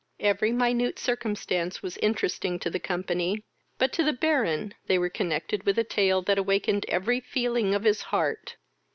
Every minute circumstance was interesting to the company; but to the Baron they were connected with a tale that awakened every feeling of his heart.